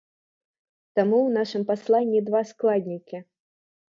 Таму ў нашым пасланні два складнікі.